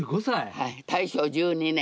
はい大正１２年。